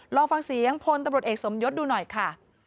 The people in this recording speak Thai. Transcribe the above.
ลองฟังเสียงพลตำรวจเอกสมยศดูหน่อยค่ะ